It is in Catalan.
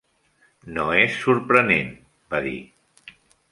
"No és sorprenent," va dir.